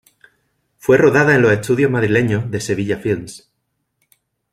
Fue rodada en los estudios madrileños de Sevilla Films.